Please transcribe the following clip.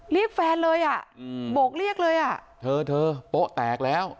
เรียกแฟนเลยอ่ะอืมโบกเรียกเลยอ่ะเธอเธอโป๊ะแตกแล้ว